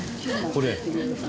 これ？